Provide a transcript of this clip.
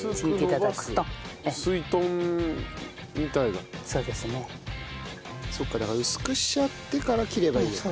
だから薄くしちゃってから切ればいいのか。